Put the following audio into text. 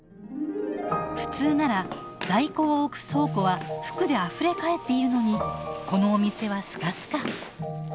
普通なら在庫を置く倉庫は服であふれ返っているのにこのお店はスカスカ。